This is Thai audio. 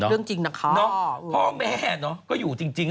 เรื่องจริงนะคะพ่อแม่เนาะก็อยู่จริง